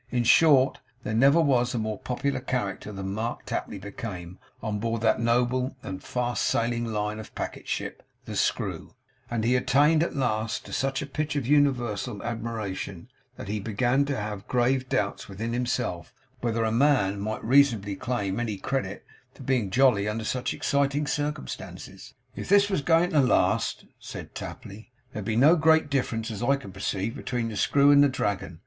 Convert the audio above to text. In short, there never was a more popular character than Mark Tapley became, on board that noble and fast sailing line of packet ship, the Screw; and he attained at last to such a pitch of universal admiration, that he began to have grave doubts within himself whether a man might reasonably claim any credit for being jolly under such exciting circumstances. 'If this was going to last,' said Tapley, 'there'd be no great difference as I can perceive, between the Screw and the Dragon.